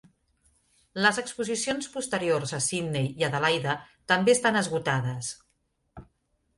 Les exposicions posteriors a Sydney i Adelaida també estan esgotades.